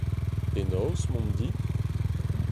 Penaos mont di ?